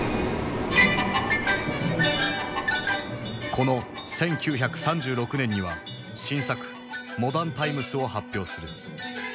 この１９３６年には新作「モダン・タイムス」を発表する。